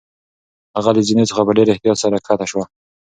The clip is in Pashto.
هغه له زینو څخه په ډېر احتیاط سره کښته شوه.